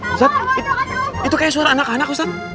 ustadz itu kayak suara anak anak ustadz